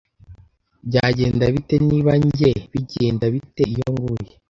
Byagenda bite niba njye, bigenda bite iyo nguye